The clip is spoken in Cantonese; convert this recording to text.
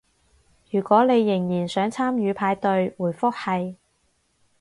如果你仍然想參與派對，回覆係